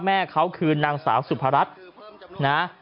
แม่เขาคือนางสาวสุพรัชนะ